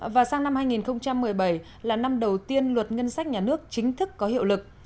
và sang năm hai nghìn một mươi bảy là năm đầu tiên luật ngân sách nhà nước chính thức có hiệu lực